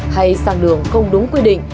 hay sang đường không đúng quy định